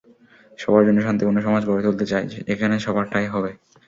সবার জন্য শান্তিপূর্ণ সমাজ গড়ে তুলতে চাই, যেখানে সবার ঠাঁই হবে।